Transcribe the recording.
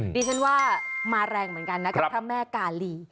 ดิฉันว่ามาแรงเหมือนกันนะกับพระแม่กาลี